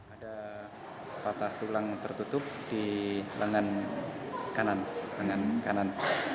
ada patah tulang tertutup di lengan kanan